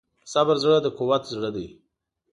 د صبر زړه د قوت زړه دی.